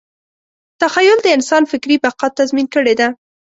تخیل د انسان فکري بقا تضمین کړې ده.